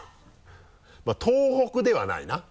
まぁ東北ではないな。